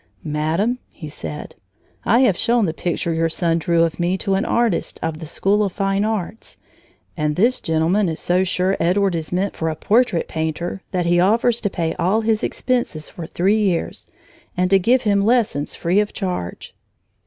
"Madam," he said, "I have shown the picture your son drew of me to an artist of the School of Fine Arts, and this gentleman is so sure Edward is meant for a portrait painter that he offers to pay all his expenses for three years and to give him lessons free of charge."